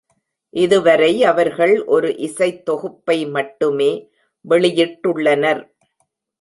இதுவரை அவர்கள் ஒரு இசைத்தொகுப்பை மட்டுமே வெளியிட்டுள்ளனர்.